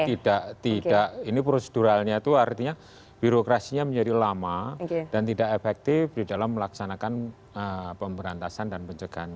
jadi tidak ini proseduralnya itu artinya birokrasinya menjadi lama dan tidak efektif di dalam melaksanakan pemberantasan dan pencegahan